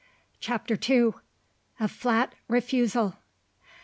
CHAPTER TWO. A FLAT REFUSAL.